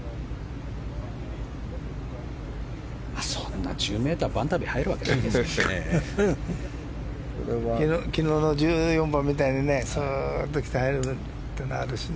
そんな１０ｍばんたび入るわけないですよね。